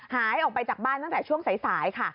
หายออกไปจากบ้านตั้งแต่ช่วงสายค่ะ